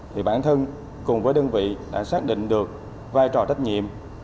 thì bản thân cùng với đơn vị đã xác định được vai trò trách nhiệm